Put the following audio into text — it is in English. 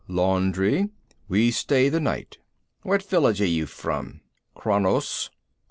"Laundry. We stay the night." "What village are you from?" "Kranos."